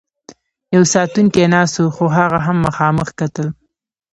یو ساتونکی ناست و، خو هغه هم مخامخ کتل.